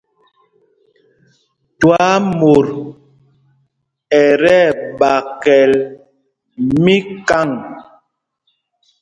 Twaamot ɛ tí ɛɓakɛl míkâŋ.